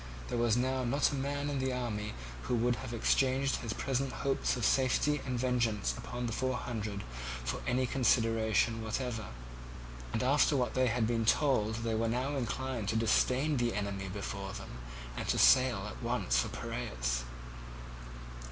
There was now not a man in the army who would have exchanged his present hopes of safety and vengeance upon the Four Hundred for any consideration whatever; and after what they had been told they were now inclined to disdain the enemy before them, and to sail at once for Piraeus.